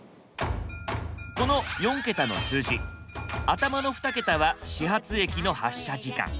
この４桁の数字頭の２桁は始発駅の発車時間。